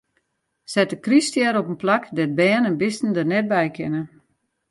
Set de kryststjer op in plak dêr't bern en bisten der net by kinne.